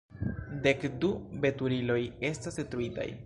Dek du veturiloj estas detruitaj.